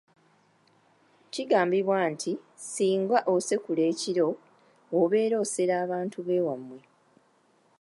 Kigambibwa nti singa osekula ekiro, obeera osera bantu b'ewammwe.